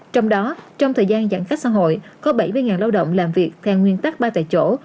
trong đó trong thời gian giãn cách xã hội có bảy mươi lao động làm việc theo nguyên tắc ba tại chỗ